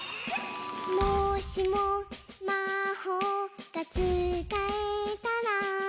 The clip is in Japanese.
「もしもまほうがつかえたら」